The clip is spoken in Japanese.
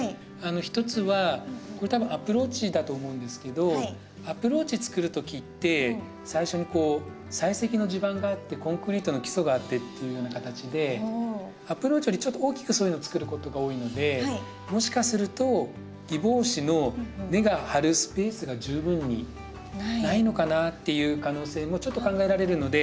１つはこれ多分アプローチだと思うんですけどアプローチを作る時って最初にこう砕石の地盤があってコンクリートの基礎があってっていうような形でアプローチよりちょっと大きくそういうのを作ることが多いのでもしかするとギボウシの根が張るスペースが十分にないのかなっていう可能性もちょっと考えられるので。